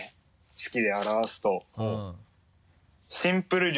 式で表すと。